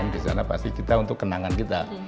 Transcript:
di sana pasti kita untuk kenangan kita